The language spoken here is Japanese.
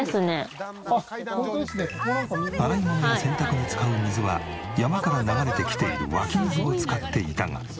洗い物や洗濯で使う水は山から流れてきている湧き水を使っていたが。